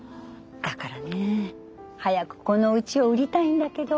だからね早くこのうちを売りたいんだけど。